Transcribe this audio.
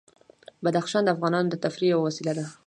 بدخشان د افغانانو د تفریح یوه وسیله ده.